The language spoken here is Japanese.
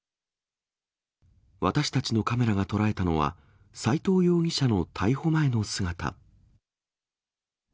私たちのカメラが捉えたのは、斎藤容疑者の逮捕前の姿。